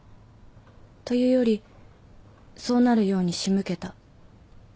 というよりそうなるように仕向けた。